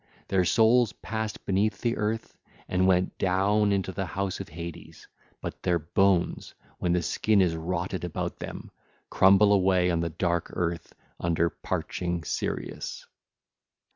Their souls passed beneath the earth and went down into the house of Hades; but their bones, when the skin is rotted about them, crumble away on the dark earth under parching Sirius.